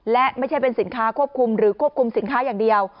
และไม่ใช่เป็นสินค้าควบคุมหรือควบคุมสินค้าอย่างเดียว